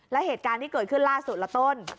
แล้วเหตุการณ์ที่เกิดขึ้นล่าสุดละต้น